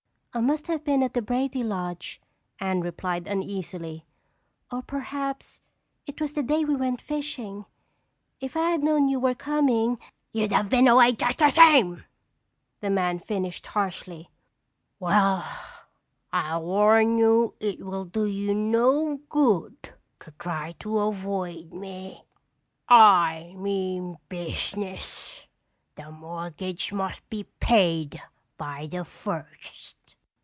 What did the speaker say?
"I must have been at the Brady lodge," Anne replied uneasily. "Or perhaps it was the day we went fishing. If I had known you were coming—" "You'd have been away just the same!" the man finished harshly. "Well, I warn you it will do you no good to try to avoid me. I mean business. The mortgage must be paid by the first."